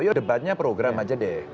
ya debatnya program saja deh